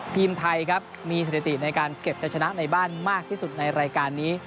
ทีมไทยครับมีสถิติในการเก็บจะชนะในบ้านมากที่สุดในรายการนี้